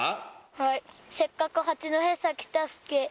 はい「せっかく八戸さ来たすけ」